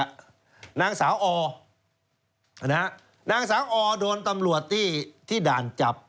หน้าสาวอล์หน้าสาวอล์โดนตำรวจที่ด่านจับ